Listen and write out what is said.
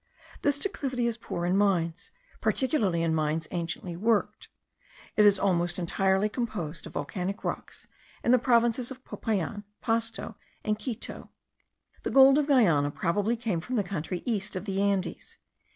This declivity is poor in mines, particularly in mines anciently worked; it is almost entirely composed of volcanic rocks in the provinces of Popayan, Pasto, and Quito. The gold of Guiana probably came from the country east of the Andes.